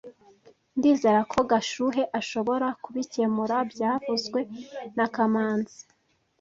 Ndizera ko Gashuhe ashobora kubikemura byavuzwe na kamanzi